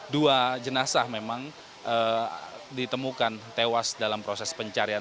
dua jenazah memang ditemukan tewas dalam proses pencarian